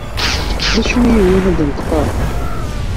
D acu i yi-yewwin ad d-neṭqeɣ?